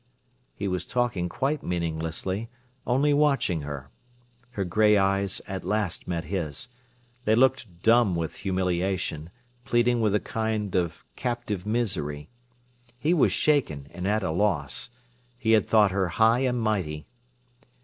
He was talking quite meaninglessly, only watching her. Her grey eyes at last met his. They looked dumb with humiliation, pleading with a kind of captive misery. He was shaken and at a loss. He had thought her high and mighty.